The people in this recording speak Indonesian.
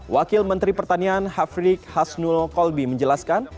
wakil menteri pertanian hafrik hasnul kolbi menjelaskan